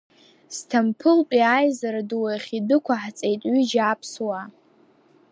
Сҭампылтәи аизара ду ахь идәықәаҳҵеит ҩыџьа аԥсуаа.